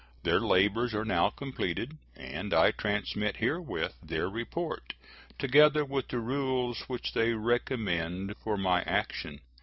Their labors are now completed, and I transmit herewith their report, together with the rules which they recommend for my action.